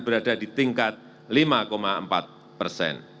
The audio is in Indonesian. berada di tingkat lima empat persen